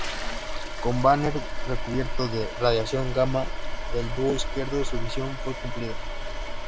Con Banner recubierto de radiación gamma del dúo izquierdo, su misión fue cumplida.